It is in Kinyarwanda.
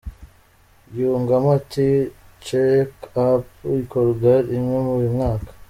Yungamo ati “checkup ikorwa rimwe buri mwaka.